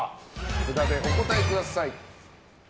札でお答えください。